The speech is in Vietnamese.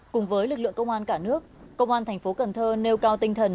cùng với lực lượng công an cả nước công an tp cần thơ nêu cao tinh thần